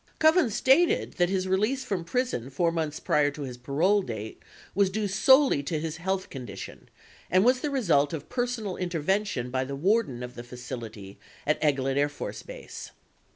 21 Kovens stated that his release from prison 4 months prior to his parole date was due solely to his health condition, and was the result of personal intervention by the warden of the facility at Eglin Air Force Base.